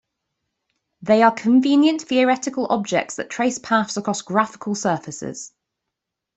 They are convenient theoretical objects that trace paths across graphical surfaces.